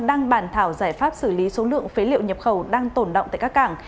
để môi trường phải làm